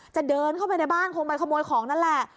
จะเดินเข้าไปในบ้านคงไปขโมยของนั่นแหละ